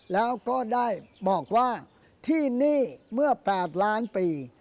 แล้วก็ได้บอกว่าที่นี่เมื่อ๘ล้านปี